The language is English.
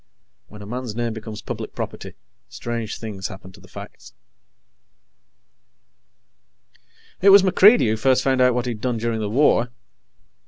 When a man's name becomes public property, strange things happen to the facts. It was MacReidie who first found out what he'd done during the war.